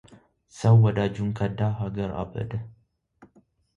ሰው ወዳጁን ከዳ ሀገር አበደ።